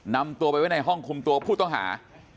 นำตัวไปไว้ในห้องคุมตัวผู้ต้องหา